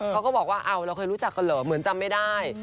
เขาก็บอกว่าเราเคยรู้จักกันเหรอเหมือนจำไม่ได้